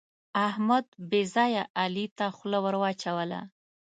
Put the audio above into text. احمد بې ځایه علي ته خوله ور واچوله.